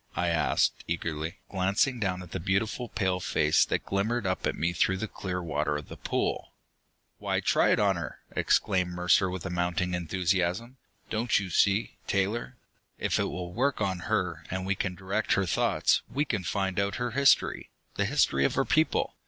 I asked eagerly, glancing down at the beautiful pale face that glimmered up at me through the clear water of the pool. "Why, try it on her!" exclaimed Mercer with mounting enthusiasm. "Don't you see, Taylor? If it will work on her, and we can direct her thoughts, we can find out her history, the history of her people!